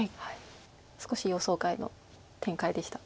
少し予想外の展開でしたが。